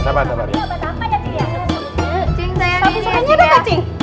sampai jumpa lagi ya cik